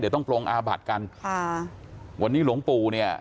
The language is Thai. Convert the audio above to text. เดี๋ยวต้องปรงอาบัติกันค่ะวันนี้หลวงปู่เนี่ย